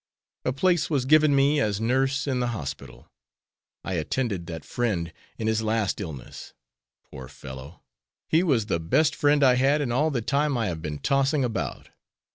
A place was given me as nurse in the hospital. I attended that friend in his last illness. Poor fellow! he was the best friend I had in all the time I have been tossing about.